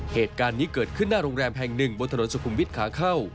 เหตุการณ์นี้เกิดขึ้นหน้าโรงแรมแห่งหนึ่งบนถนนสุขุมวิทย์ขาเข้า